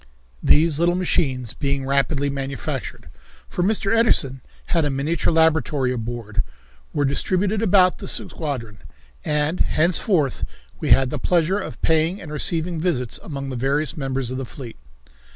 These little machines being rapidly manufactured, for Mr. Edison had a miniature laboratory aboard, were distributed about the squadron, and henceforth we had the pleasure of paying and receiving visits among the various members of the fleet.